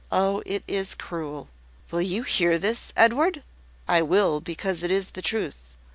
Oh, it is cruel!" "Will you hear this, Edward?" "I will, because it is the truth.